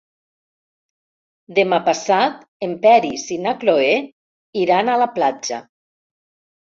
Demà passat en Peris i na Cloè iran a la platja.